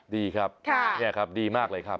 ดีครับดีมากเลยครับ